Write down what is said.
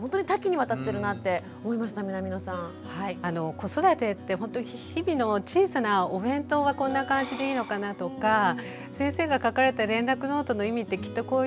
子育てってほんと日々の小さなお弁当はこんな感じでいいのかなとか先生が書かれた連絡ノートの意味ってきっとこういう意味だよなとか。